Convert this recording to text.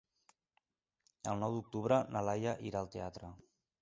El nou d'octubre na Laia irà al teatre.